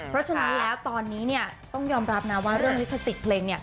เพราะฉะนั้นแล้วตอนนี้ต้องยอมรับนะว่าเรื่องลิขสิทธิ์เพลง